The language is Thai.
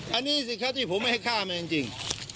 อันนี้สิครับที่ผมไม่ให้ฆ่ามาจริง